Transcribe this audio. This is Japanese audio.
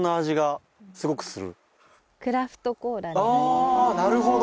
あなるほど！